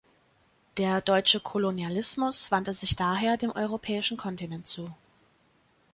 Der deutsche Kolonialismus wandte sich daher dem europäischen Kontinent zu.